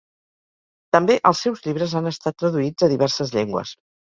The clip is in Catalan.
També els seus llibres han estat traduïts a diverses llengües.